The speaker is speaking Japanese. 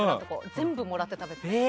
全部もらって食べてる。